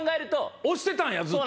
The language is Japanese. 推してたんやずっと。